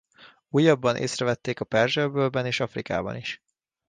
Újabban észrevették a Perzsa-öbölben és Afrikában is.